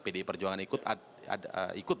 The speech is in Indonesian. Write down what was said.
pdi perjuangan ikut